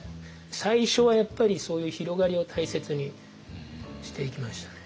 最初はやっぱりそういう広がりを大切にしていきましたね。